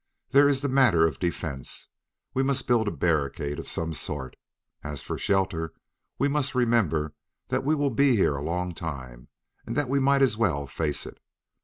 "There is the matter of defense; we must build a barricade of some sort. As for shelter, we must remember that we will be here a long time and that we might as well face it.